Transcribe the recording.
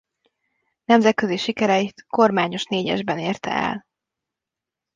Nemzetközi sikereit kormányos négyesben érte el.